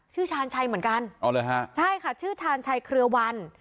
ชื่อชาญชัยเหมือนกันใช่ค่ะชื่อชาญชัยเครือวัน